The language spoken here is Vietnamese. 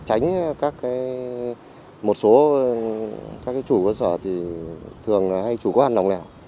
tránh một số